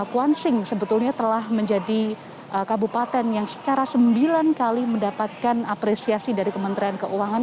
kwan sing sebetulnya telah menjadi kabupaten yang secara sembilan kali mendapatkan apresiasi dari kementerian keuangan